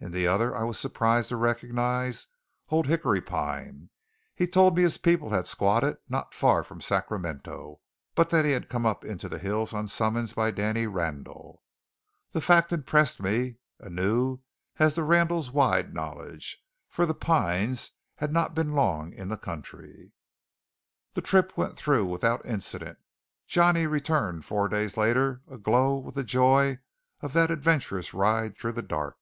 In the other I was surprised to recognize Old Hickory Pine. He told me his people had "squatted" not far from Sacramento, but that he had come up into the hills on summons by Danny Randall. The fact impressed me anew as to Randall's wide knowledge, for the Pines had not been long in the country. The trip went through without incident. Johnny returned four days later aglow with the joy of that adventurous ride through the dark.